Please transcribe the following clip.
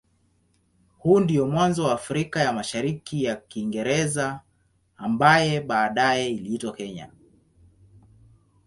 Huo ndio mwanzo wa Afrika ya Mashariki ya Kiingereza ambaye baadaye iliitwa Kenya.